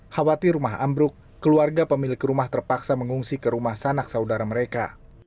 khawatir rumah ambruk keluarga pemilik rumah terpaksa mengungsi ke rumah sanak saudara mereka